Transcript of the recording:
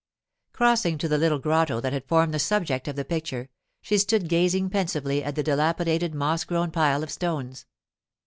Crossing to the little grotto that had formed the subject of the picture, she stood gazing pensively at the dilapidated moss grown pile of stones.